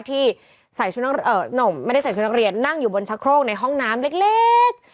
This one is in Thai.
ที่ใส่ชุดหนุ่มไม่ได้ใส่ชุดนักเรียนนั่งอยู่บนชะโครกในห้องน้ำเล็ก